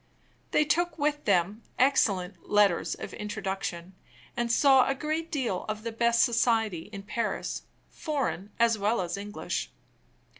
They took with them excellent letters of introduction, and saw a great deal of the best society in Paris, foreign as well as English.